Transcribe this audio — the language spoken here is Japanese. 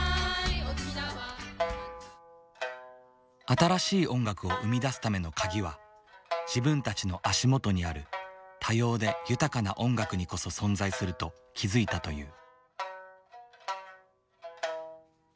新しい音楽を生み出すためのカギは自分たちの足元にある多様で豊かな音楽にこそ存在すると気付いたという。